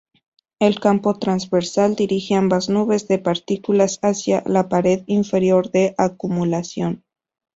El campo transversal dirige ambas nubes de partículas hacia la pared inferior de "acumulación".